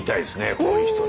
こういう人ね。